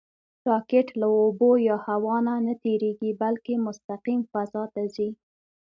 راکټ له اوبو یا هوا نه نهتېرېږي، بلکې مستقیم فضا ته ځي